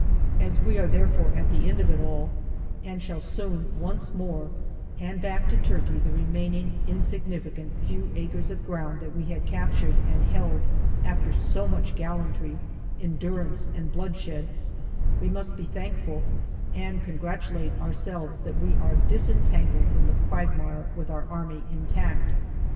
As we are therefore at the end of it all, and shall soon once more hand back to Turkey the remaining insignificant few acres of ground that we had captured and held after so much gallantry, endurance, and bloodshed, we must be thankful and congratulate ourselves that we are disentangled from the quagmire with our Army intact.